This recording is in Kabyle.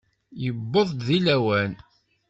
Yuweḍ-d deg lawan.